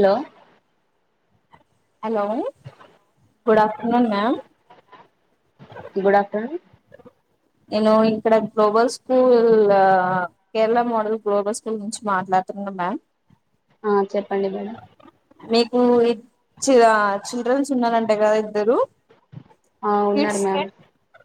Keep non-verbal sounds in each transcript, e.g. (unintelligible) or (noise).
Hello hello good afternoon ma'am good afternoon నేను ఇక్కడ global school Kerala model global school నుంచి మాట్లాడుతున్నా మ్యామ్ ఆ చెప్పండి బేడం చిరా చిల్డ్రన్స్ ఉన్నారంట కదా ఇద్దరు ఆ ఉన్నారు కిడ్స్ మ్యామ్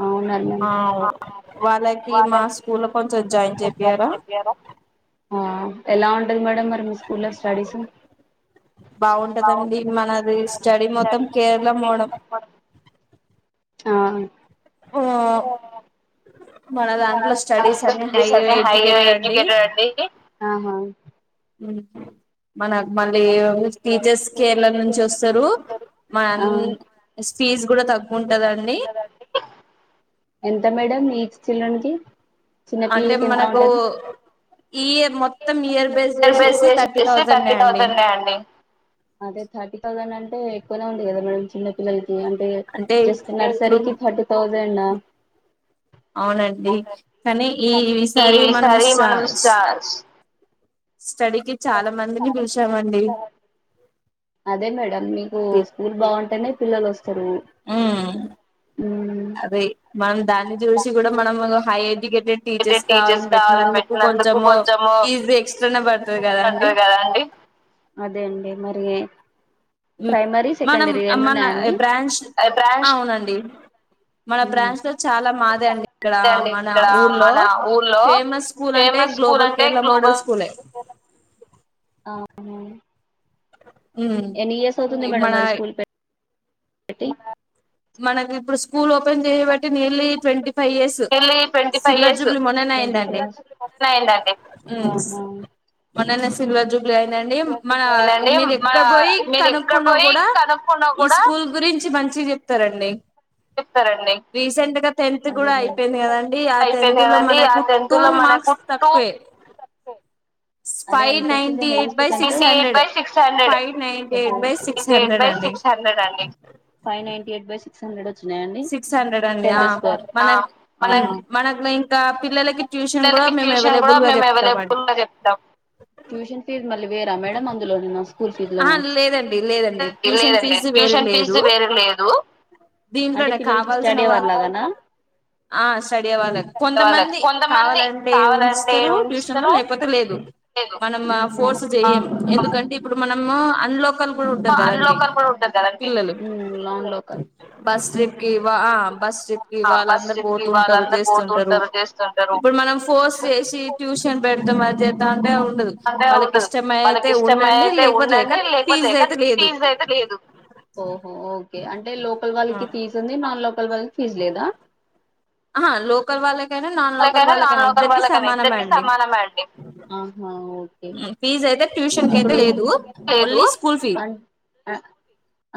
ఆ ఉన్నారు మ్యామ్ ఆ వాళ్ళకి మా స్కూల్లో కొంచెం జాయిన్ చేపియారా ఆ ఎలా ఉం టది మేడం మరి మీ స్కూల్లో స్టడీసు, బాగుంటదండి ఆవున్ మనది స్టడీ మొత్తం కేరళ మోడం ఓ మన దాంట్లో స్టడీస్ అన్ని హై ఎడ్యుకేటెడ్ అండి ఆహ ఉమ్ హు మనకు మళ్ళీ టీచర్స్ కేరళ నుంచి వస్తారు మనం ఆ ఫీజ్ కూడా ఫీజు కూడా తక్కువ తగ్గుంటదండి. ఉంటదండి ఎంత మేడం ఈచ్ చిల్డ్రన్ కి అంటే చిన్నపిల్లలకి ఎంత మనకు ఉంటది ఈ ఇయర్ మొ అండి అదే థర్టీ థౌసండ్ అం టే ఎక్కువనే ఉంది కదా మేడం చిన్న పిల్లలకి అంటే జస్ట్ నర్సరికి థర్టీథౌ (unintelligible) అవునండి కానీ ఈసారి మనం ఈసారి సార్స్ స్టార్స్ స్టడీకి చాలా మందిని చాలా పిలిచామండి మంది అదే మేడం మీకు స్కూల్ బ బాంటే పిల్లల్ వస్తా మ్ మ్మ్ అదే మనం దాన్ని చూసి కూడా మనము హై ఎడ్యుకేటెడ్ టీచర్స్ కావాలని పెట్టినందుకు కొంచెము ఫిజ్ ఎక్స్ట్రానే ఫీజు పడుతుంది ఎక్స్ట్రానే కదా అండి. పడతది కదా అండి అదే అండి మరి ప్రైమరీ మనం సెకండరీ రెండు మన ఉన్నాయా అండి బ్రాంచ అది బ్రాంచ్ అవునండి మన ఉమ్ బ్రాంచ్ లో చాలా మాదే అండి ఇక్కడ అదే అండి మన ఇక్కడ ఊర్లో మన ఊర్లో ఫేమస్ స్కూల్ అంటే ఫేమస్ స్కూల్ గ్లోబల్ అంటే కేరళ మోడల్ స్కూలే. ఆ ఉమ్ ఎనీ ఇయర్స్ అవుతుంది మేడం మన మరి స్కూల్ పె ఫటింగ్ మనకి ఇప్పుడు స్కూల్ ఓపెన్ చేయబట్టి nearly twenty five years nearly twenty five silver years jubilee మొన్ననే ట్వంటీ అయందండి ఫైవ్ ఆహా మనాల సిల్వర్ జూబ్లి అయిందండి మన ఏనండి మీరు మన ఎక్కడ పోయి మీరు ఎక్కడ కనుక్కున్నా పోయి కూడా కనుక్కున్నా ఈ కూడా స్కూల్ గురించి మంచి చె సరండి పిస్తారండి టెన్త్ కూడా అయిపోయింది కదండి ఆ టెన్త్ లో కదండి ఆ మనకు టెన్త్ టూ లో మనకు మార్క్స్ టూ తక్కువే అరే ఫైవ్ ఎంత వచ్చింది ninety eight highest by six hundred five ninety eight by six hundred అండి five ninety by six hundred స సిక్స్ హండ్రెడ్ అండి అ ఆ మనమ్ మన మనక్ ఇంకా పిల్లలకి ట్యూషన్ కూడా పిల్లలకి మేము ట్యూషన్ కూడా అవైలబుల్ గా మేము చెప్తామండి అవైలబుల్ గా చెప్తాం రె మేడం అందులో స్కూల్ ఫీజు ఆ లేదండి లేదండి ట్యూషన్ ఫీజు వేరే లేదు దీంట్లోనే కావాల్సిన వాళ్ళు ఆ స్టడీ అవ్వాలని (unintelligible) కొంతమంది కావాలంటే కావాలంటే ఉంచస్తారు ట్యూషన్ లో ఉంచుతారు లేకపోతే లేదు మన ఫోర్ లేదు చెయం ఎందుకంటే ఇప్పుడు మనము అన్లోక్ ఒక్కళ కూడా ఉంటారు కదండి అన్లోకల్ కూడా ఉంటది కదండి పిల్లలు బస్ ట్రిప్ (unintelligible) బస్ప్ క ఆ బస్ వాళ్ళందరు ట్రిప్ కి పోతుంటారు వాళ్ళందరు చేస్తుంటారు, పోతుంటారు చేస్తుంటారు ఇప్పుడు మనం ఫోర్స్ చేసి ట్యూషన్ పెడతా చేస్తా అంటే ఉండదు అంటే వాళ్ళకి ఉండదు ఇష్ట వాళ్ళకి ఇష్టమ అయితే ఉండండి లేకపోతే ఫీజు లేక, అయితే లేదు తీజ అయితే లేదు ఓహో ఓకే అంటే లోకల్ వాళ్ళకి తీజ నాన్ లోకల్ వాళ్ళ ఫీజ్ లేదా ఆహా లోకల్ వాళ్ళకైనా నాన్ లోకల్ (unintelligible) నాన్ వాళ్ళకైనా లోకల్ ఇద్దరికి వాళ్ళకైనా సమానమే ఇద్దరికీ అండి సమానం అండి పీజా ఇప్పుడు లేదు స్కూల్ ఫీ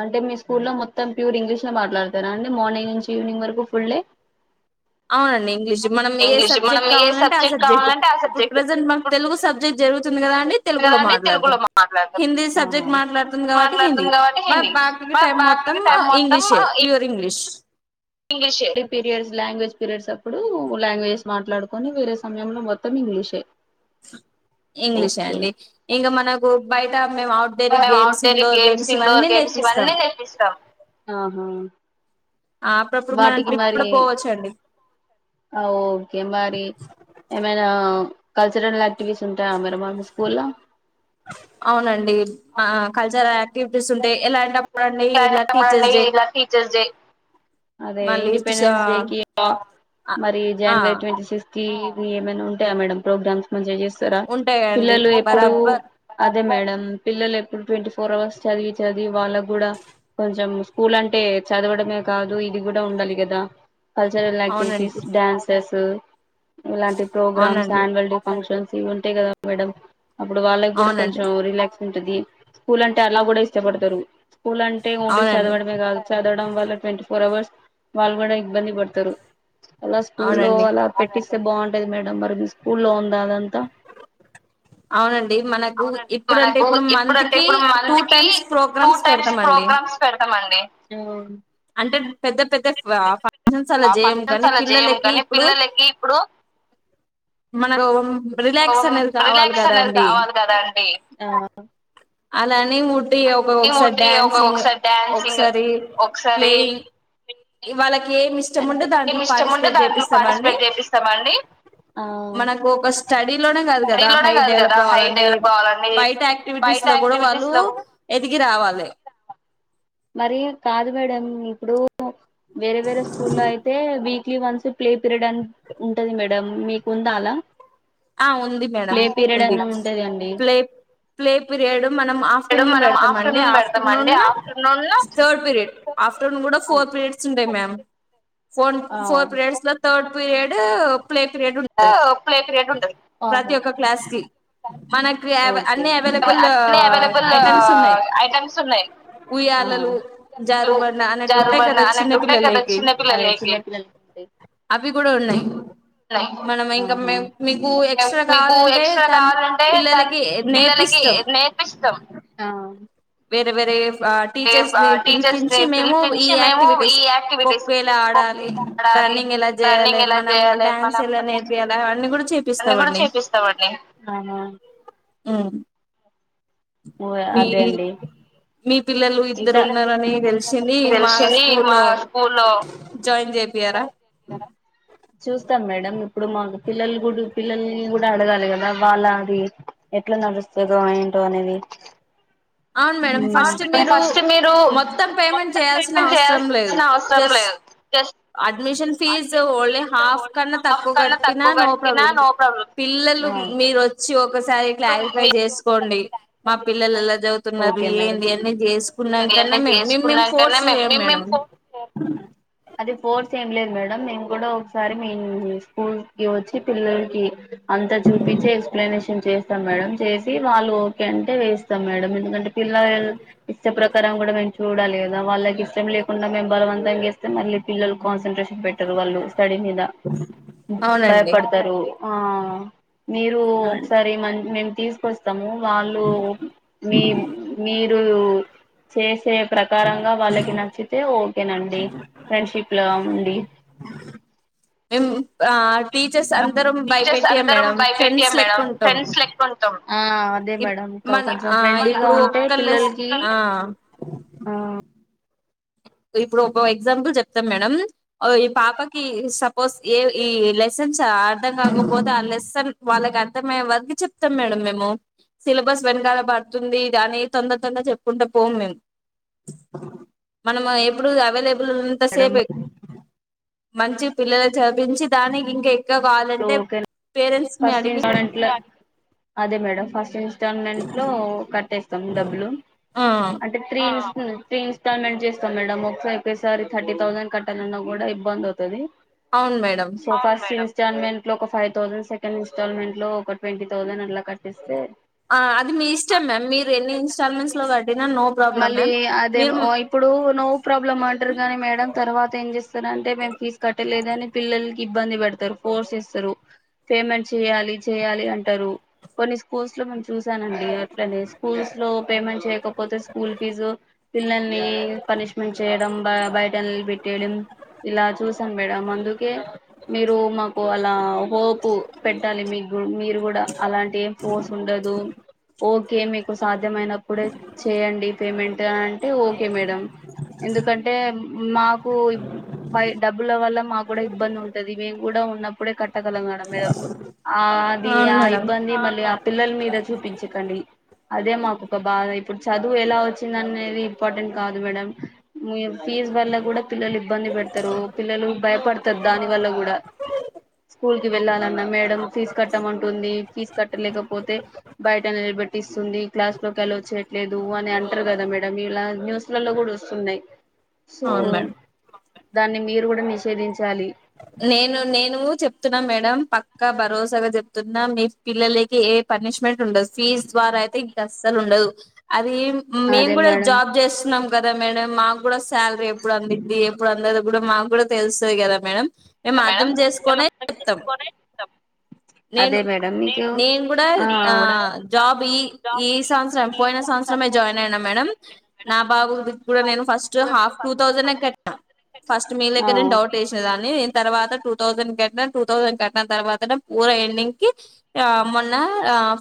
అంటే మీ స్కూ లో మొత్తం మొత్తం ప్యూర్ ఇంగ్లీష్ లో మాట్లాడతారా అండి మార్నింగ్ నుంచి ఈవినింగ్ వరకు ఫుల్ డే అవునండి ఇంగ్లీష్ మనం ఏ ఇంగ్లీష్ మనం సబ్జెక్ట్ ఏ కావాలంటే ఆ సబ్జెక్ట్ కావాలంటే ఆ ఇప్పుడు సబ్జెక్ట్ ప్రజెంట్ మకు తెలుగు సబ్జెక్ట్ జరుగుతు తుంది కదా అండి కదా తెలుగులో అండి తెలుగులో మాట్లాడతాం మాట్లాడతాం హిందీ ఆహా సబ్జెక్ట్ మాట్లాడుతుంది కాబట్టి హిందీ మాట్లాడుతుంది కాబట్టి మ హిందీ బాకీకి టైం మొత్తం బాకీ టైం ఇంగ్లీషే pure English English periods language periods అప్పుడు లాంగ్వేజ్స్ మాట్లాడుకొని వేరే సమయంలో మొత్తం ఇంగ్లీషే ఇంగ్లీషే ఓకే అండి ఇంకా మనకు బయట మేము అవుట్డోర్ మేము games outdoor indoor games indoor ఇవన్నీ గేమ్స్ నేర్పిస్తాం ఇవన్నీ తెపిస్తాము అప్పుడప్పుడు మనం వాటికి ట్రిప్ మారి కూడా పోవచ్చండి ఓకే మరి ఏమనా కల్చరల్ యాక్టివిటీస్ ఉంటాయా మరి వాళ్ళ స్కూల్ లో అవునండి మా కల్చర్ యాక్ టీచర్స్ డే డ అదే నా లిస్ట్ సా ఇంపెండెన్ డేకి ఆ మరి ఆ జనవరిట్ ఏమైనా ఉంటాయా మేడమ్ ప్రోగ్రామ్స్ మంచి ఉంటాయండి పిల్లలు ఎప్పుడు బరాబర్ అదే మేడం పిల్లలు ఎప్పుడు ట్వంటీ ఫోర్ అవర్స్ చదివి చదివి వాళ్ళకు కూడా కొంచెం స్కూల్ అంటే చదవడమే కాదు ఇది కూడా ఉండాలి కదా కల్చరల్ ఆక్టివిటీస్ అవునండి డ్యాన్సెస్ ఇలాంటి ప్రోగ్రామ్స్ అవునండి యాన్యువల్ డే ఫంక్షన్స్ ఇవి ఉంటాయి కదా మేడం అప్పుడు వాళ్ళకి కూడా అవునండి కొంచెం రిలాక్స్ ఉంటదింది స్కూల్ అంటే అలా కూడా ఇష్టపడతారు స్కూల్ అంటే ఓన్లీ అవునండి చదవడమే కాదు చదవడం వల్ల ట్వంటీ ఫోర్ అవర్స్ వాళ్ళు కూడా ఇబ్బంది పడతారు అలా స్కూల్ లో అవునండి అలా పెట్టిస్తే బాగుంట (unintelligible) మేడం మరి మీ స్కూల్లో ఉందా అదంతా అవునండి మనకు అవునండి ఇప్పుడుంటే మనకు ఇప్పుడు మంత్ ఇప్పుడుంటే కి ఇప్పుడు two month times two programmes times పెడతామండి ప్రోగ్రామ్స్ పెడతాం అండి ఆ అంటే పెద్ద పెద్ద ఫంక్షన్స్ అలా ఆ చేయము ఫంక్షన్స్ కానీ అలా చేయం పిల్లలకి కానీ ఇప్పుడు పిల్లలకి ఇప్పుడు మన రిలాక్స్ అనేది కావాలి కదా అండి అలాండి అన్ని ఉట్టియె ఒక అన్నీ ఒకసారి ముట్టి ఒక డ్యాన్సింగ్ ఒకసారి డ్యాన్సింగ్ ఒకసారి ఒకసారి ప్లేయింగ్ వాళ్ళకేం ఇష్ అంటే ష్టముంటె దాంట్ల ఏమి ఇష్టం ఉంటే పార్టిసిపేట్ దాంట్లో చేపిస్తామండీ. పార్టిసిపేట్ చేపిస్తామండి ఆ మనకు ఒక స్టడీ లోనే కాదు కదా స్టడీలోనే హై కాదు డెవలప్ కదా హై కావాలంటే డెవలప్ కావాలండి బయట యాక్టివిటీస్ బయట లో కూడా వాళ్ళు యాక్టివిటీస్ లో ఎదిగి రావాలే మరి కాదు మేడం ఇప్పుడు వేరే వేరే స్కూల్ల్లో అయితే weekly once play period అని ఉంటది మేడం మీకు ఉందా అలా ఆ ఉంది మేడం ప్లే పీరియడ్ ఉంది అని ఉంటది అండి ప్లే ప్లే పిరియడ్ మనం ఆఫ్టర్నూన్ మనం పెడతాం అండి ఆఫ్టర్నూన్ పెడతాం అండి ఆఫ్టర్నూన్ ఆఫ్టర్నూన్ లో థర్డ్ పీరియడ్ ఆఫ్టర్నూన్ కూడా ఫోర్ పీరియడ్స్ ఉంటాయి మ్యామ్ ఆ ఫోన్ ఆ ఫోర్ పీరియడ్స్ లో థర్డ్ పీరియడ్ ప్లే పీరియడ్ ఉంటది ప్లే పీరియడ్ ఉంటది ప్రతి ఆహా ఒక్క క్లాస్ కి మనకి అ ఓకే అన్ని అవైలబుల్ అన్ని అవైలబుల్ ఐటమ్స్ ఉన్నాయి. ఐటమ్స్ ఉన్నాయి ఆ ఉయ్యాలలు జారుబండ అనేట్టు ఉంటాయి జారుబండ కదా చిన్న అన్నట్టు ఉంటాయి కదా పిల్లలకి. చిన్న పిల్లలకి ఉన్నాయి అవి కూడా ఉన్నాయి మనం ఇంకా ఆహా మేం పిల్లలకి నేర్పిస్తాం ఆ వేరే వేరే టీచర్స్ ని టీచర్స్ ని పిలిపించి మేము ఈ పిలిపించి మేము ఈ యాక్టివిటీస్ యాక్టివిటీస్ ఖోఖో ఎలా ఖోఖో ఆడాలి ఎలా ఆడాలి రన్నింగ్ ఎలా చేయాలే రన్నింగ్ ఎలా మనం చేయాలి డ్యాన్స్ మనం ఎలా నేర్పియాలి అన్నీ కూడా అన్ని కూడా చేపిస్తామండి చేపిస్తామండి ఆహా ఓ మీ అదే అండి మీ పిల్లలు ఇద్దరు ఇంకా ఉన్నారని తెలిసింది మా తెలిసింది మా స్కూల్లో స్కూల్లో జాయిన్ చె చూస్తాం మేడం ఇప్పుడు మాకు పిల్లలు గుడు పిల్లల్ కూడా అడగాలె కదా వాళ్ళ అది ఎట్లా నడుస్తదో ఏంటో అనేది అవును మేడం అవును ఫస్ట్ మేడం మీరు ఫస్ట్ మీరు మొత్తం పేమెంట్ మొత్తం చేయాల్సిన పేమెంట్ అవసరం లేదు చేయాల్సిన అవసరం జస్ట్ లేదు just admission fees admission only fees half only కన్నా హాఫ్ తక్కువ కన్నా కట్టినా తక్కువ నో కట్టినా ప్రాబ్లం నో ప్రాబ్లం పిల్లలు ఆ మీరొచ్చి ఒకసారి క్లారిఫై మీరు ఒకసారి చేసుకోండి మా క్లారిఫై పిల్లలు ఎలా చేసుకోండి చ న్నారు ఓకే మేడం ఏంది అన్ని చే న్నంకనే ఇవన్నీ మేమేం చేసుకున్నాకనే ఫోర్స్ చేయం మేము మేడం మేము ఫోన్ చేయం అది ఫోర్స్ ఏం లేదు మేడం మేము కూడా ఒకసారి మీ స్కూల్ కి వచ్చి పిల్లలకి అంతా చూపించి ఎక్స్ప్లెనేషన్ చేస్తాం మేడం. చేసి వాళ్ళు ఓకే అంటే వేస్తాం మేడం ఎందుకంటే పిల్లల్ ఇష్ట ప్ర కరం కూడా మేము చూడాలిగదా వాళ్ళకి ఇష్టం లేకుండా మేము బలవంతంగేస్ మళ్ళీ పిల్లలు కాన్సంట్రేషన్ పెట్ వాళ్ళు స్టడీ మీద అవునండి భయపడతరూ ఆ మీరు అవునండి ఒకసారి మం (inaudible) తీసుకొస్తాము. వాళ్ళు మేం మీర్ చేసే ప్రక్ ప్రకారంగా వాళ్ళకి నచ్చితే ఓ ఓకేనండి. ఫ్రెండ్షిప్లా ఉండి. మేం ఆ టీచర్స్ అందరం టీచర్స్ భయపెట్టియం అందరం మేడం ఫ్రెండ్స్ భయపెట్టియం మేడం లెక్కుంటాం ఫ్రెండ్స్ లెక్కుంటం. ఆ అదే ఇప్ మేడం ఇంకా మన కొంచం ఆ ఫ్రెండ్లీగా ఇప్పుడు ఉంటే ఒక్కళ్ళెస్ పిల్లలకి ఆ ఇప్పుడు ఒక ఎగ్జాంపుల్ చెప్తాం మేడం ఈ పాపకి సపోజ్ ఏ ఈ లెసన్స్ అర్థం కాకపోతే ఆ లెసన్ వాళ్ళకి అర్థమయ్యే వరకి చెప్తాం మేడం మేము. సిలబస్ వెనకాల పడుతుంది అని తొందర తొందర చెప్పుకుంటా పోము మేము. మనం ఎప్పుడు అవైలబు నంత సేపే మంచి పిల్లల చదిపించి దానికి ఇంకా ఎక్కువ కావాలంటే ఓకే పేరెంట్స్ ని ఫస్ట్ అడిగి ఇన్స్టాల్మెంట్ అదే మేడం ఫస్ట్ ఇన్స్టాల్మెంట్లో కట్టేస్తాం డబ్బులు ఆ అంటే త్రీ త్రీ ఇన్స్టాల్మెంట్ చేస్తాం మేడం. మొత్తం ఒకేసారి థర్టీ థౌసండ్ కట్టాలన్నా కూడా ఇబ్బంది అవుతది. అవున్ మేడం. ఇస్టాల్మెంట్లో ఒక ఫైవ్ థౌసండ్ సెకండ్ ఇన్స్టల్మెంట్ లో ఒక ట్వంటీ థౌసండ్ అట్ల కట్టిస్తే ఆ అది మీ ఇష్టం మ్యామ్ మీరు ఎన్ని ఇన్స్టాల్మెంట్స్ లో కట్టినా నో ప్రాబ్లం మళ్ళీ మ్యామ్ అదే మీరు ఇప్పుడు నో ప్రాబ్లమ్ అంటారు కానీ మేడం తర్వాత ఏం చేస్ తనంటే నేన్ తీస్ కట్టలేదని పిల్లల్ ఇబ్బంది బడతరు. ఫోర్స్ చేస్తరు. పేమెంట్ చేయాలి చేయాలి అంటారు. కొన్ని స్కూల్స్లో మేం చూసానండి. ఇట్లనే స్కూల్స్లో పేమెంట్ చేయకపోతే స్కూల్ ఫీజు పిల్లల్ని పనిష్మెంట్ చేయడం బ బయట నిలపెట్టేయడం ఇలా చూస్ మేడం అందుకే మీరు మ ఓ అలా హోపు పెట్టాలి మీక్ గు మీ గుడా అలాంటి ఏం ఫోర్స్ ఉండదు. ఓకే మీకు సాధ్యమయినప్పుడే చేయండి పేమెంట్ అంటే ఓకే మేడం. ఎందుకంటే మాకు పై డబ్బుల వల్ల మాకు గుడా ఇబ్బందుంటది. మేం గూడా ఉన్న ప్పుడే కట్టగళం మేడం. ఆ అది అవును ఆ మేడం ఇబ్బంది మళ్ళీ అ పిల్లల్ మీద చూపించకండి అదే మాకు ఒక బాధ ఇప్పుడు చదువు ఎలా వచ్చింది అనేది ఇంపార్టెంట్ కాదు మేడం ఫీజ్ వల్ల గుడా పిల్లలు ఇబ్బంది పెడతారు పిల్లలు భయపడతరు దాని వల్ల గుడా స్కూల్ కి వెళ్ళాలన్నా మేడ ఫీజు కట్టమంటుంది, ఫీజు కట్టలేకపోతే బయట నిలబెట్టిస్తుంది, క్లాస్ లోకి అలో చేయట్లేదు, అని అంటారు కదా మేడం మీర్ ఇలా న్యూస్లలో కూడా వస్తున్నాయి. సో అవును మేడం దాన్ని మీరు కూడా నిషేధించాలి నేను నేను చెప్తున్నా మేడం పక్కా భరోసాగా చెప్తున్నా మీ పిల్లలకి ఏ పనిష్మెంట్ ఉండదు ఫీజ్ ద్వారా అయితే ఇంకా అస్సలు ఉండదు. అది మేము అదే కూడా మేడం జాబ్ చేస్తున్నాం కదా మేడం మాకు కూడా శాలరీ ఎప్పుడు అందిద్ంది ఎప్పుడు అందదు కూడా మాకు కూడా తెలుస్తుంది కదా మేడం. మేము మేడం అర్థం మేము చేసుకునే అర్థం చెప్తాం చేసుకొనే ఇస్తాం నేను అదే మేడం మీకు నేను కూడా ఆ జాబ్ ఈ ఈ సంవత్సరం ఈ పోయిన సంవత్సరం సంవత్సరంమే పోయిన జాయిన్ అయినా సంవత్సరమే మేడం జాయిన్ అయినా మేడం నా బాబు కూడా నేను ఫస్ట్ వాళ్ళు నేను హాఫ్ టూ ఫస్ట్ థౌసండ్ కట్టినా సంస్కృతం ఫస్ట్ మీ ఆ దగ్గనే డౌట్ ఈ వేసిన దాన్ని. తర్వాత టూ థౌజండ్ కట్న టూ థౌజండ్ కట్టిన తర్వాత నే పూర ఎండింగ్ కి మొన్న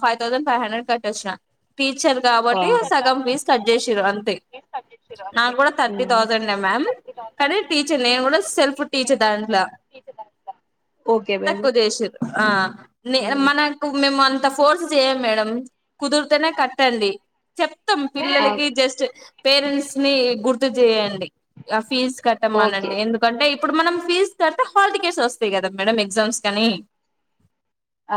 ఫైవ్ థౌసండ్ ఫైవ్ హండ్రెడ్ కట్టొచ్చిన. టీచర్ కాబట్టి సగం ఇన్స్టాగ్రామ్ ఫీజ్ కట్ చేసిరు అంతే బేస్ కట్ చేసిర్రు అంతే నాకు కూడా థర్టీ థౌసండ్ే మ్యామ్ కానీ టీచర్ నేను కూడా సెల్ఫ్ నేను టీచర్ దాంట్లో. కూడా ఓకే బేబీ తక్కువ చేేసిరు ఆ మనకు మ మ అంత ఫోర్స్ చేయ మేడం కుదిరితేనే కట్టండి చెప్తాం పిల్లలకి జస్ట్ పేరెంట్స్ ని గుర్తు చేయండి ఆ ఫీజ్ ఓకే కట్టమానండి ఎందుకంటే ఇప్పుడు మనం ఫీజ్ తర్వాత హాల్ టికెట్స్ వస్తాయి కదా మేడం ఎగ్జామ్స్ కని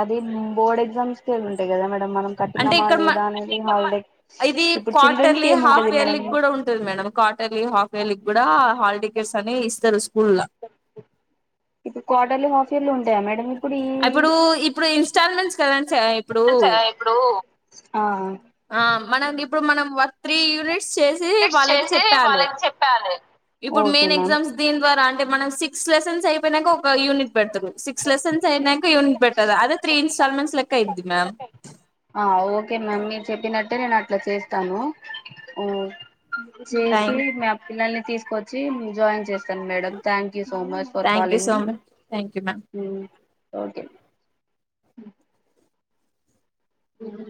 అది బోర్డ్ ఎగ్జామ్స్ కే ఉంటాయి కదా మా మనం అంటే కట్టినామా ఇక్కడ మ లేదా అనేది హాలిడే ఇది ఇప్పుడు చిల్డ్రన్స్ క్వార్టర్లీ కి ఏముంటది హాఫెర్లీ మేడం కూడా ఉంటుంది మేడం క్వార్టర్ ఆఫర్లీ కూడా హాల్ టికెట్స్ సనేే ఇస్తారు స్కూల్లా ఫర్లీ ఉండాయా మేడం ఇప్పుడు ఈ అప్పుడు ఇప్పుడు ఇన్స్టాల్మెంట్స్ కదండీ సార్ ఇప్పుడు ఇప్పుడు ఆ ఆ మనంఇ ఇప్పుడు మనం వర్త్రి యూనిట్ చేసి వాళ్ళకి చేసి చెప్పాలి వాళ్ళకి చెప్పాలి ఇప్పుడు ఓకే మెయిన్ మ్యామ్ ఎగ్జామ్స్ దీని ద్వారా అంటే మనం సిక్స్ లెసన్స్ అయిపోయినాక ఒక యూనిట్ పెడుతు స సిక్స్ లెసన్స్ అయినాక యూనిట్ పెట్టారూ అదే త్రి సల్మన్స్ లెక్క ఇయిది మ్యామ్ ఆ ఓకే మ్యామ్ మీరు చెప్పినట్టే నేను అట్లా చేస్తాను ఓ (unintelligible) చేసి థ్యాంక్ మీ పిల్లల్ని తీసుకొచ్చి జాయిన్ చేస్తాను madam thank so much for thank you calling so me much thank you ma'am okay um